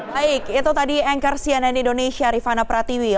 baik itu tadi anchor cnn indonesia rifana pratiwi